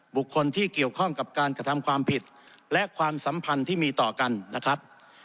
บุคคลที่เกี่ยวข้องกับการกระทำความผิดและความสัมพันธ์ที่มีต่อกันนะครับ